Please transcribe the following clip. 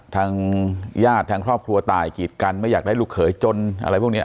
ทางญาติทางครอบครัวตายกีดกันไม่อยากได้ลูกเขยจนอะไรพวกนี้